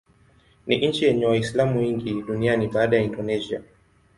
Ni nchi yenye Waislamu wengi duniani baada ya Indonesia.